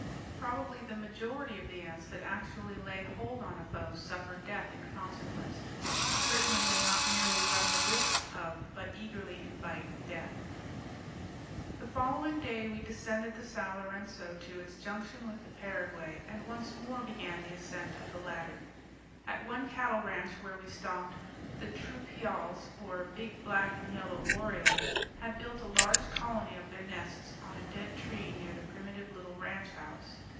Probably the majority of the ants that actually lay hold on a foe suffer death in consequence; certainly they not merely run the risk of but eagerly invite death. The following day we descended the Sao Lourenco to its junction with the Paraguay, and once more began the ascent of the latter. At one cattle ranch where we stopped, the troupials, or big black and yellow orioles, had built a large colony of their nests on a dead tree near the primitive little ranch house.